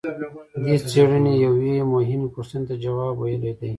دې څېړنې یوې مهمې پوښتنې ته ځواب ویلی دی.